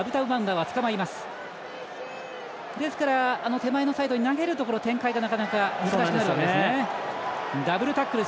手前のサイドに投げるところ、展開がなかなか難しくなるんですね。